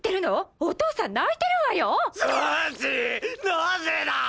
なぜだー！？